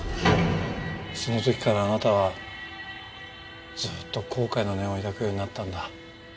その時からあなたはずっと後悔の念を抱くようになったんだ。